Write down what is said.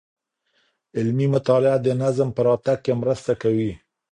علمي مطالعه د نظم په راتګ کي مرسته کوي.